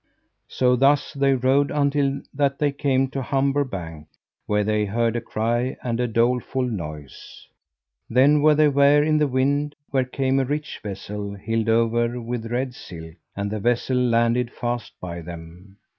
So thus they rode until that they came to Humber bank, where they heard a cry and a doleful noise. Then were they ware in the wind where came a rich vessel hilled over with red silk, and the vessel landed fast by them.